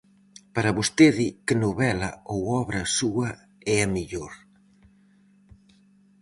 Para vostede, que novela ou obra súa é a mellor?